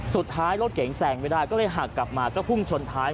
สุดท้ายรถเก๋งแซงไม่ได้ก็เลยหักกลับมาก็พุ่งชนท้าย